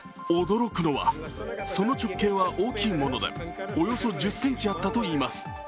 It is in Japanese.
驚くのは、その直径は大きいものでおよそ１０ｃｍあったといいます。